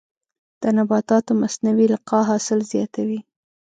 د نباتاتو مصنوعي القاح حاصل زیاتوي.